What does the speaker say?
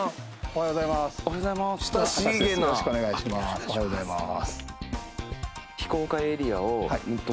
おはようございます。